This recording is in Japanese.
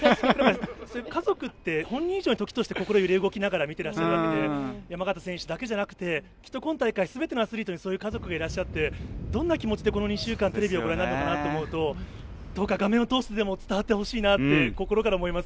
家族って本人以上に時として心揺れ動きながら見ていらっしゃるわけで山縣選手だけじゃなくてきっと今大会全てのアスリートにそういう家族がいらっしゃってどんな気持ちでこの２週間テレビをご覧になったのかなと。どうか画面を通して伝わってほしいなと心から思います。